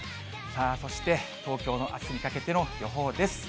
そして、東京のあすにかけての予報です。